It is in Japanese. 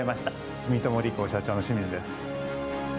住友理工社長の清水です。